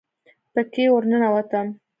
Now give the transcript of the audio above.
پکښې ورننوتم.